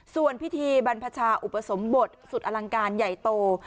ส่วนพิธีบรรพชาอุปสมบทสุดอลังการใหญ่โต